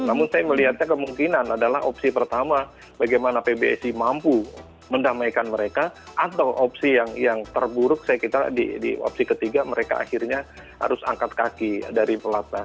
namun saya melihatnya kemungkinan adalah opsi pertama bagaimana pbsi mampu mendamaikan mereka atau opsi yang terburuk saya kira di opsi ketiga mereka akhirnya harus angkat kaki dari pelatnas